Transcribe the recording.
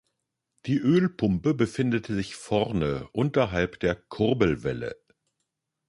Die Ölpumpe befindet sich vorne unterhalb der Kurbelwelle.